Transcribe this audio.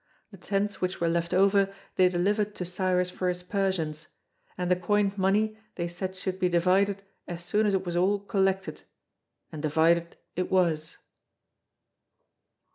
The tents which were left over they delivered to Cyrus for his Persians; and the coined money they said should be divided as soon as it was all collected, and divided it was.